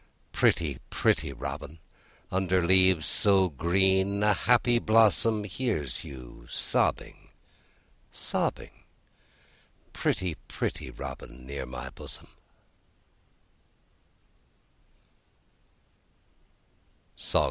Pretty, pretty robin! Under leaves so green A happy blossom Hears you sobbing, sobbing, Pretty, pretty robin, Near my bosom.